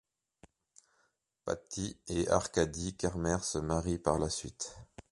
Pati et Arkadi Kermer se marient par la suite.